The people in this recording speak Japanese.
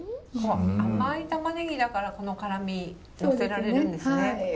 甘い玉ねぎだからこの辛みのせられるんですね。